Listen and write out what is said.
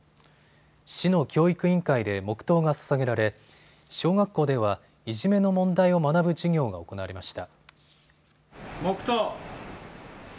市の教育委員会で黙とうがささげられ小学校ではいじめの問題を学ぶ授業が行われました。